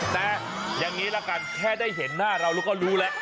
แต่อย่างนี้ละกันแค่ได้เห็นหน้าเราเราก็รู้แล้ว